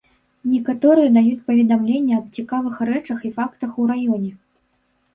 Некаторыя даюць паведамленні аб цікавых рэчах і фактах у раёне.